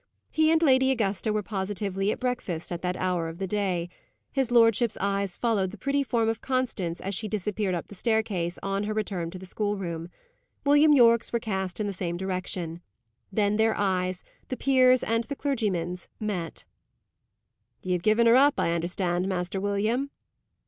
He and Lady Augusta were positively at breakfast at that hour of the day. His lordship's eyes followed the pretty form of Constance as she disappeared up the staircase on her return to the schoolroom. William Yorke's were cast in the same direction. Then their eyes the peer's and the clergyman's met. "Ye have given her up, I understand, Master William?"